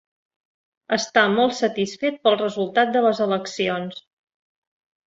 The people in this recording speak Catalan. Està molt satisfet pel resultat de les eleccions.